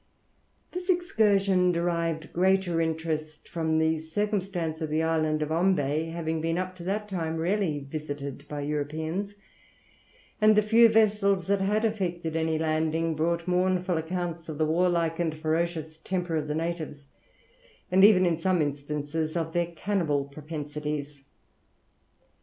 ] This excursion derived greater interest from the circumstance of the island of Ombay having been up to that time rarely visited by Europeans; and the few vessels that had effected any landing brought mournful accounts of the warlike and ferocious temper of the natives, and even in some instances of their cannibal propensities.